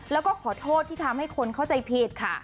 แล้วก็ขอโทษที่ทำให้คนเข้าใจผิดค่ะ